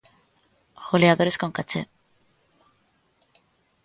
Goleadores con caché...